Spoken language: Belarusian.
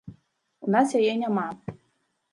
У нас яе няма.